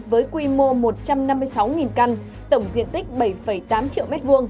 với quy mô một trăm năm mươi sáu căn tổng diện tích bảy tám triệu m hai